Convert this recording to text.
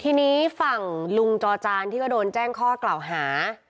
ทีนี้ฝั่งลุงจอจานที่ก็โดนแจ้งข้อกล่าวหา